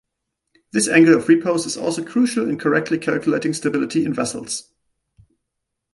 This angle of repose is also crucial in correctly calculating stability in vessels.